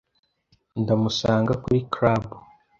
Ndamusanga kuri club.